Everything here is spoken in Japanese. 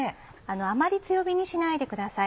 あまり強火にしないでください。